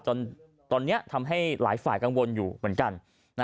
ตอนนี้ทำให้หลายฝ่ายกังวลอยู่เหมือนกัน